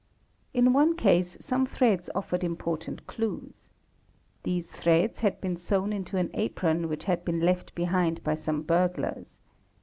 In one case some threads offered important clues: these threads had been sewn into an apron which had been left behind by some burglars.